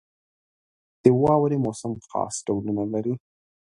• د واورې موسم خاص ډولونه لري.